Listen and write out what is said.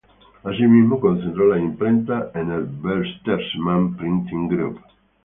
Asimismo, concentró las imprentas en el Bertelsmann Printing Group.